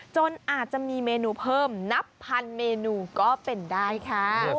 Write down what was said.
จนอาจจะมีเมนูเพิ่มนับพันเมนูก็เป็นได้ค่ะ